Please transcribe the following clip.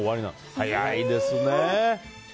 早いですね。